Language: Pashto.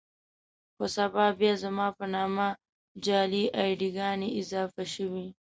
خو سبا بيا زما په نامه جعلي اې ډي ګانې اضافه شوې.